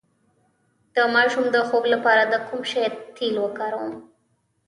د ماشوم د خوب لپاره د کوم شي تېل وکاروم؟